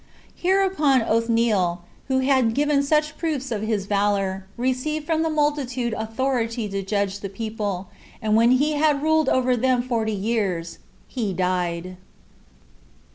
Hereupon Othniel, who had given such proofs of his valor, received from the multitude authority to judge the people; and when he had ruled over them forty years, he died.